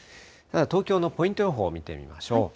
東京のポイント予想を見てみましょう。